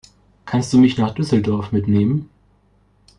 Kannst du mich nach Düsseldorf mitnehmen?